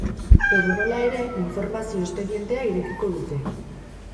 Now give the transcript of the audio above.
Edonola ere, informazio espedientea irekiko dute.